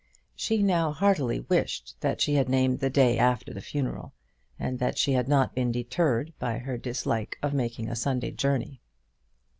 She now heartily wished that she had named the day after the funeral, and that she had not been deterred by her dislike of making a Sunday journey.